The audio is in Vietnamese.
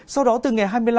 sau đó từ ngày hai mươi năm